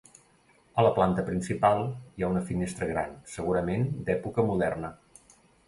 A la planta principal hi ha una finestra gran, segurament d'època moderna.